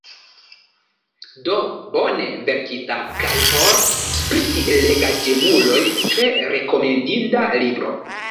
Do: bone verkita, kaj por spiritlegaĵemuloj tre rekomendinda libro.